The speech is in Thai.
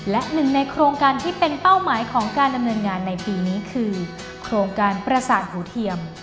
และหนึ่งในโครงการที่เป็นเป้าหมายของการดำเนินงานในปีนี้คือโครงการประสาทหูเทียม